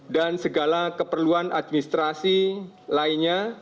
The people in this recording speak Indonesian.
dan segala keperluan administrasi lainnya